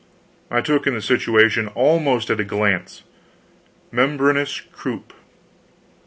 I took in the situation almost at a glance membranous croup!